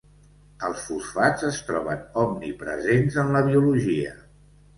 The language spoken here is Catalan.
Els fosfats es troben omnipresents en la biologia.